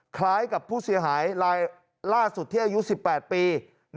คล้ายกับผู้เสียหายรายล่าสุดที่อายุ๑๘ปี